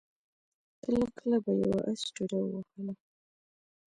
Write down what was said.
کله کله به يوه آس ټوډه ووهله.